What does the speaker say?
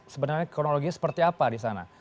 sebenarnya kronologi seperti apa di sana